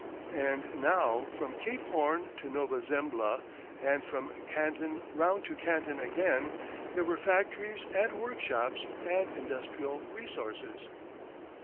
And now from Cape Horn to Nova Zembla, and from Canton round to Canton again, there were factories and workshops and industrial resources.